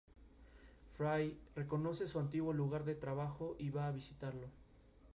Fry reconoce su antiguo lugar de trabajo y va a visitarlo.